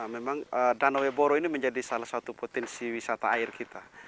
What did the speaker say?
memang danau weboro ini menjadi salah satu potensi wisata air kita